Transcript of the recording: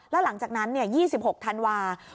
แล้วหลังจากนั้นเนี่ย๒๖ธันวาธ์